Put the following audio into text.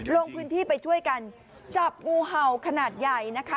ลงพื้นที่ไปช่วยกันจับงูเห่าขนาดใหญ่นะคะ